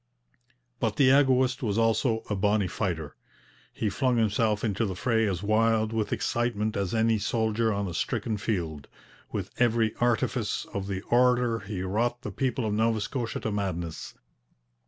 But the egoist was also 'a bonny fighter.' He flung himself into the fray as wild with excitement as any soldier on a stricken field. With every artifice of the orator he wrought the people of Nova Scotia to madness.